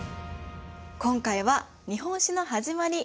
今回は日本史の始まり。